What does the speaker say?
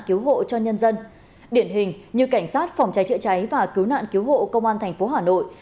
cứu hộ cho nhân dân điển hình như cảnh sát phòng cháy chữa cháy và cứu nạn cứu hộ công an thành phố hà nội